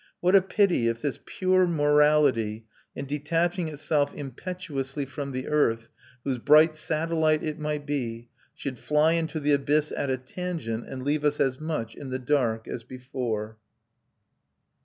What a pity if this pure morality, in detaching itself impetuously from the earth, whose bright satellite it might be, should fly into the abyss at a tangent, and leave us as much in the dark as before!